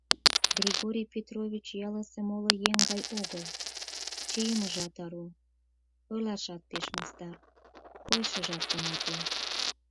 Григорий Петрович ялысе моло еҥ гай огыл, чийымыжат ару, ойлашат пеш мастар, койышыжат тыматле.